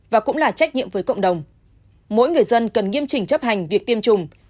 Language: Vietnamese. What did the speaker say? và cũng là trách nhiệm với cộng đồng mỗi người dân cần nghiêm chỉnh chấp hành việc tiêm chủng